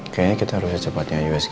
kayaknya kita harus secepatnya usg empat